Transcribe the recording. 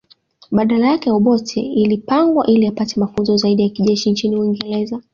Badala yake Obote ilipangwa ili apate mafunzo zaidi ya kijeshi nchini Uingereza